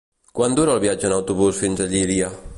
Quant dura el viatge en autobús fins a Llíria?